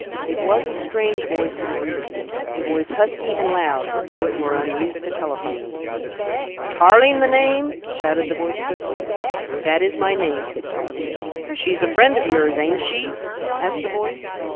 It was a strange voice that greeted him, a voice husky and loud, as though it were unused to telephoning. "Tarling the name?" shouted the voice quickly. "That is my name," said Tarling. "She's a friend of yours, ain't she?" asked the voice.